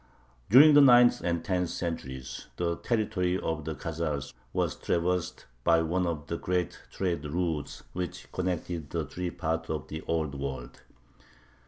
During the ninth and tenth centuries the territory of the Khazars was traversed by one of the great trade routes which connected the three parts of the Old World.